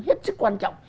hiết sức quan trọng